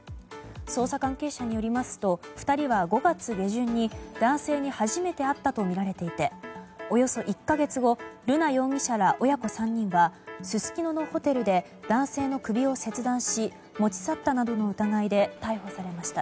捜査関係者によりますと２人は５月下旬に男性に初めて会ったとみられていておよそ１か月後瑠奈容疑者ら親子３人はすすきののホテルで男性の首を切断し持ち去ったなどの疑いで逮捕されました。